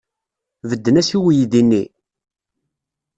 Bedden-as i uydi-nni?